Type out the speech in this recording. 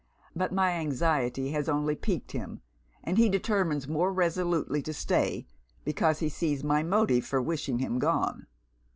But my anxiety has only piqued him; and he determines more resolutely to stay because he sees my motive for wishing him gone.